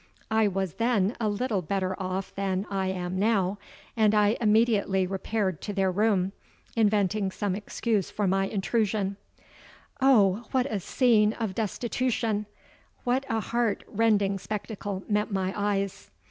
I was then a little better off than I am now; and I immediately repaired to their room, inventing some excuse for my intrusion. Oh! what a scene of destitution—what a heart rending spectacle met my eyes!